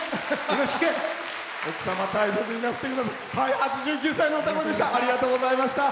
８９歳の歌声でした。